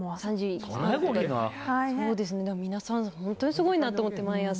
皆さん、本当にすごいなと思って毎朝。